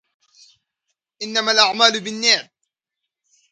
خلک خپل ژوند ته ځي